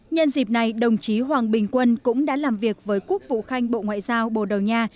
nhân dịp này đồng chí hoàng bình quân cũng đã làm việc với quốc vụ khanh bộ ngoại giao bồ đầu nha